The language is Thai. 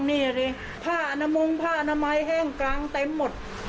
นี่พ่าอนามุ้งพ่าอนาไมยแห้งกางเต็มหมด